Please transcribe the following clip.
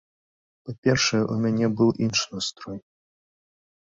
Па-першае, у мяне быў іншы настрой.